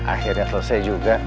akhirnya selesai juga